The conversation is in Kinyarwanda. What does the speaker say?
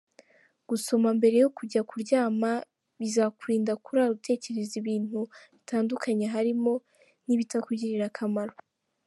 Gusoma mbere yo kujya kuryama bizakurinda kurara utekereza ibintu bitandukanye harimo n’ibitakugirira akamaro.